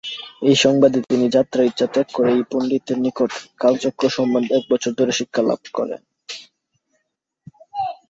এই সংবাদে তিনি যাত্রার ইচ্ছা ত্যাগ করে এই পন্ডিতের নিকট কালচক্র সম্বন্ধে এক বছর ধরে শিক্ষালাভ করেন।